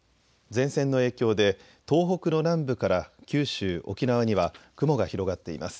前線の影響で東北の南部から九州、沖縄には雲が広がっています。